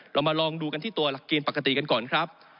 เรามาลองดูกันที่ตัวหลักเกณฑ์ปกติกันก่อนครับ